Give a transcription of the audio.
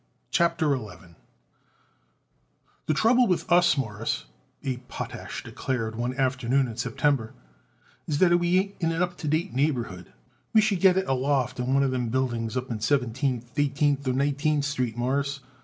CHAPTER XI "The trouble is with us, Mawruss," Abe Potash declared one afternoon in September, "that we ain't in an up to date neighborhood. We should get it a loft in one of them buildings up in Seventeenth, Eighteenth or Nineteenth Street, Mawruss.